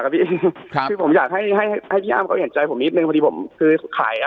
กับพี่ผมอยากให้ให้พี่อ้าวเห็นใจผมนิดนึงพอดีผมคือขาย